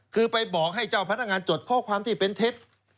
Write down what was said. คือไปบอกให้เจ้าพนักงานจดข้อความที่เป็นเท็จ